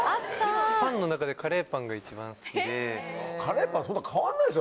パンの中でカレーパンが一番好きで。